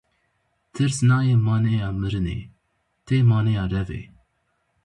Tirs nayê maneya mirinê, tê maneya revê.